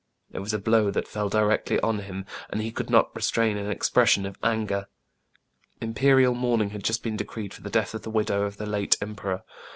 It was a blow that fell A SURPRISE FOR JCIN FO. 175 directly on him, and he could not restrain an expression of anger. Imperial mourning had just been decreed for the death of the widow of the late emperor.